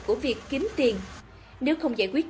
của việc kiếm tiền nếu không giải quyết